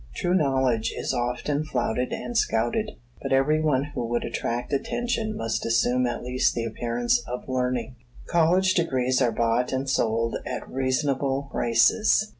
True knowledge is often flouted and scouted; but every one who would attract attention must assume at least the appearance of learning. College degrees are bought and sold at reasonable prices.